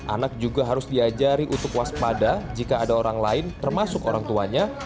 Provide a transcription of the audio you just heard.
anak juga harus diajari untuk waspada jika ada orang lain termasuk orang tuanya